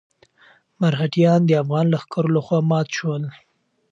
مرهټیان د افغان لښکرو لخوا مات شول.